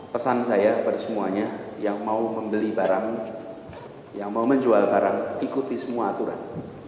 pesan saya kepada semuanya yang mau membeli barang yang mau menjual barang ikuti semua aturan